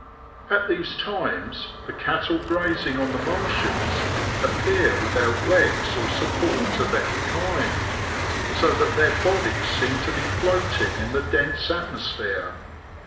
At these times, the cattle grazing on the marshes appear without legs or support of any kind, so that their bodies seem to be floating in the dense atmo sphere.